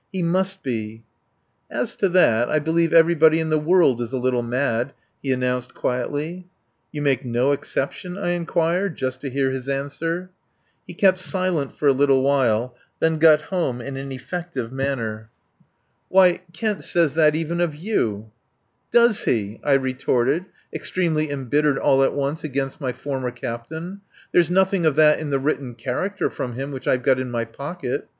He must be." "As to that, I believe everybody in the world is a little mad," he announced quietly. "You make no exceptions?" I inquired, just to hear his manner. "Why! Kent says that even of you." "Does he?" I retorted, extremely embittered all at once against my former captain. "There's nothing of that in the written character from him which I've got in my pocket.